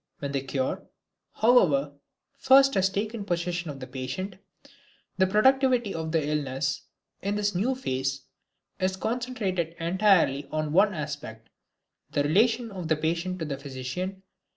When the cure, however, first has taken possession of the patient, the productivity of the illness in this new phase is concentrated entirely on one aspect: the relation of the patient to the physician.